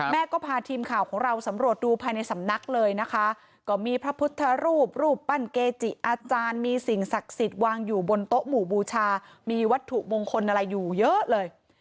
แม่ก็พาทีมข่าวของเราสำรวจดูภายในสำนักเลยนะคะก็มีพระพุทธรูปรูปปั้นเกจิอาจารย์มีสิ่งศักดิ์สิทธิ์วางอยู่บนโต๊ะหมู่บูชามีวัตถุมงคลอะไรอยู่เยอะเลย